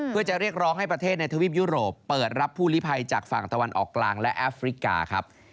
เพื่อจะเรียกร้องให้ประเทศในทวีปยุโรปเปิดรับผู้ลิภัยจากฝั่งตะวันออกกลางและแอฟริกาครับ